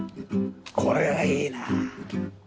これがいいなあ。